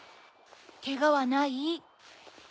ケガはない？